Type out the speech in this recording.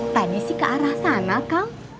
tadi sih ke arah sana kang